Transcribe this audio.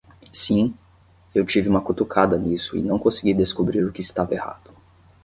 Sim? Eu tive uma cutucada nisso e não consegui descobrir o que estava errado.